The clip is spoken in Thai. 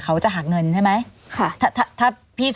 เขาจะหักเงินใช่ไหม